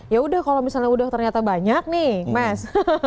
ya udah kalau misalnya udah ternyata banyak nih mas